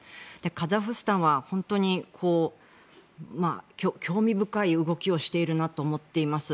カザフスタンは本当に興味深い動きをしているなと思っています。